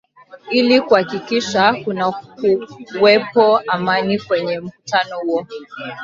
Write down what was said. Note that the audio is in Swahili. ili kuhakikisha kunakuwepo Amani kwenye mkutano huo